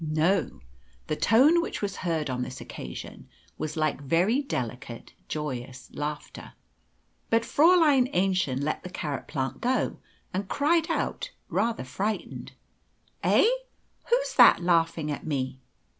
No; the tone which was heard on this occasion was like very delicate, joyous laughter. But Fräulein Aennchen let the carrot plant go, and cried out, rather frightened, "Eh! Who's that laughing at me?"